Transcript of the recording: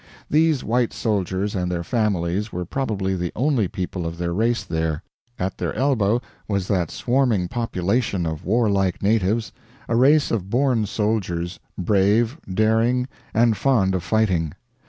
These white soldiers and their families were probably the only people of their race there; at their elbow was that swarming population of warlike natives, a race of born soldiers, brave, daring, and fond of fighting.